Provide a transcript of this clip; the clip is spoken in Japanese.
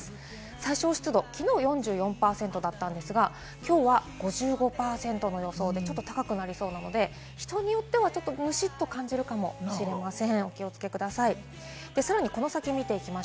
最小湿度、きのうは４４％でしたが、きょうは５５％の予想で高くなりそうなので、人によってはムシッと感じるかもしれません。